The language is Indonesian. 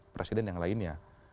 presiden yang lainnya